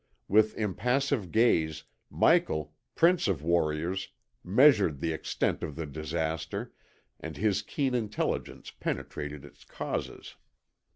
With impassive gaze, Michael, prince of warriors, measured the extent of the disaster, and his keen intelligence penetrated its causes.